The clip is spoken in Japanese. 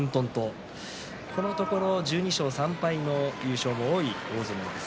このところ１２勝３敗の優勝も多い大相撲です。